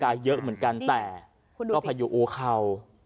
น้ำรากกายเยอะเหมือนกันแต่ก็พาอยู่อู๋เข่า